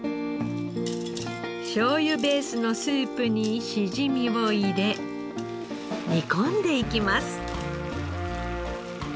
しょうゆベースのスープにしじみを入れ煮込んでいきます。